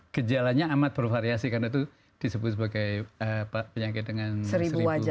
gejalanya amat bervariasi karena itu disebut sebagai penyakit dengan seribu